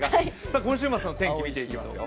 今週末の天気を見ていきますよ。